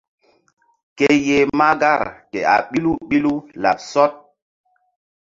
Ke yeh mahgar ke a ɓilu ɓilu laɓ sɔɗ.